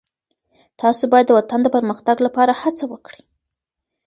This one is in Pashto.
تاسو باید د وطن د پرمختګ لپاره هڅه وکړئ.